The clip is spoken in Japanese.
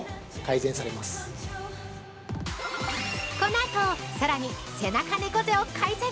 ◆このあとさらに背中猫背を改善。